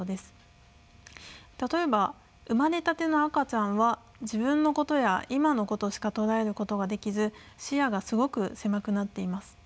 例えば生まれたての赤ちゃんは自分のことや今のことしか捉えることができず視野がすごく狭くなっています。